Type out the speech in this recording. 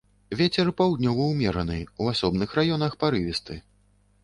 Вецер паўднёвы ўмераны, у асобных раёнах парывісты.